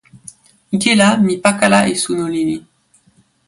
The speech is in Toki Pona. ike la mi pakala e suno lili.